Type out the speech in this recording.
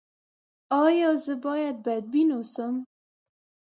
ایا زه باید بدبین اوسم؟